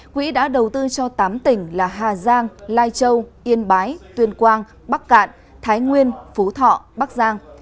quỹ đã đầu tư cho tám tỉnh là hà giang lai châu yên bái tuyên quang bắc cạn thái nguyên phú thọ bắc giang